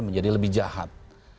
menjadi lebih jahat